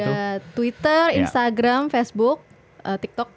ya ada twitter instagram facebook tiktok ya